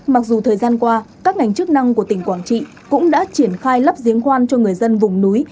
mặc dù thời gian qua các ngành chức năng của tỉnh quảng trị cũng đã triển khai lắp giếng khoan cho người dân vùng núi